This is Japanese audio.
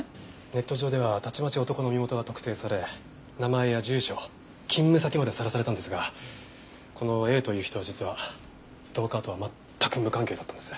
ネット上ではたちまち男の身元が特定され名前や住所勤務先までさらされたんですがこのＡという人は実はストーカーとは全く無関係だったんです。